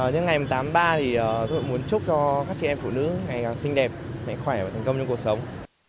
nhưng ngày tám tháng ba tôi cũng muốn chúc cho các chị em phụ nữ ngày càng xinh đẹp mẹ khỏe và thành công trong cuộc sống